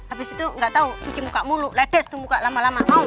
habis itu enggak tahu puji muka mulu ledes tuh muka lama lama mau